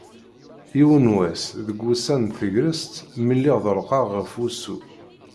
Yiwen n wass deg wussan n tegrest mi lliɣ ḍelqeɣ ɣef wussu.